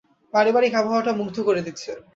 পারিবারিক আবহাওয়াটা মুগ্ধ করে দিচ্ছে।